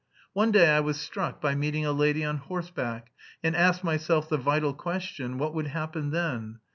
One day I was struck by meeting a lady on horseback, and asked myself the vital question, 'What would happen then?'